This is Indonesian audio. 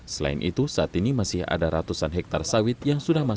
selain itu saat ini masih ada ratusan hektare sawit yang sudah masuk